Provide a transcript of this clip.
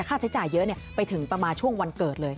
ค่าใช้จ่ายเยอะไปถึงประมาณช่วงวันเกิดเลย